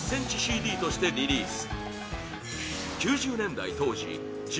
ｃｍＣＤとしてリリース９０年代当時１２